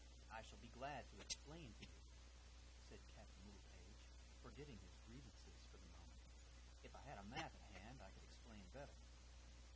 "I shall be glad to explain to you," said Captain Littlepage, forgetting his grievances for the moment. "If I had a map at hand I could explain better.